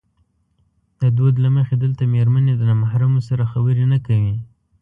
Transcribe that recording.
د دود له مخې دلته مېرمنې د نامحرمو سره خبرې نه کوي.